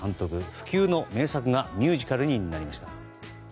不朽の名作がミュージカルになりました。